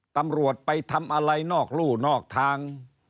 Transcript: ตำรวจไปทำอะไรนอกรู่นอกทาง